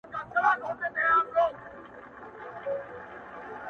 وماته دي وي خپل افغانستان مبارک